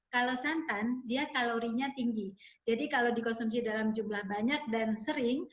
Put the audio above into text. kalau santan dia kalorinya tinggi jadi kalau dikonsumsi dalam jumlah banyak dan sering